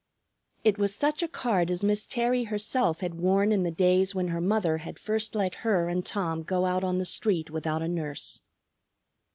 It was such a card as Miss Terry herself had worn in the days when her mother had first let her and Tom go out on the street without a nurse.